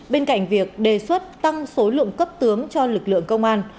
bên cạnh việc đề xuất tăng số lượng cấp tướng cho lực lượng công an